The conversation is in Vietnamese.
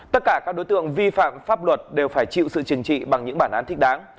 tất cả các đối tượng vi phạm pháp luật đều phải chịu sự chừng trị bằng những bản án thích đáng